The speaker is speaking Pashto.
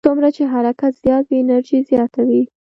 څومره چې حرکت زیات وي انرژي زیاته وي.